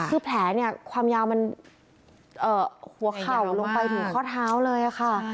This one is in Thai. คือแผลเนี่ยความยาวมันหัวเข่าลงไปถึงข้อเท้าเลยค่ะ